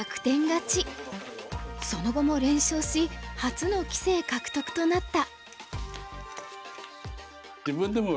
その後も連勝し初の棋聖獲得となった。